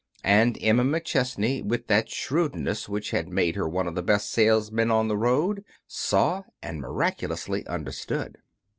And Emma McChesney, with that shrewdness which had made her one of the best salesmen on the road, saw, and miraculously understood.